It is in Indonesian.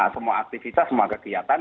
semua aktivitas semua kegiatan